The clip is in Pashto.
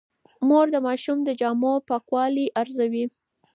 مور د ماشوم د جامو پاکوالی ارزوي.